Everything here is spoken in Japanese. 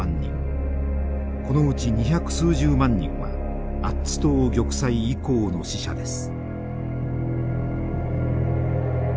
このうち二百数十万人はアッツ島玉砕以降の死者です。